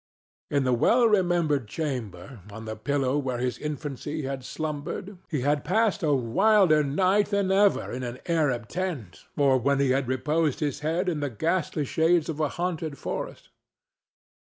In the well remembered chamber, on the pillow where his infancy had slumbered, he had passed a wilder night than ever in an Arab tent or when he had reposed his head in the ghastly shades of a haunted forest.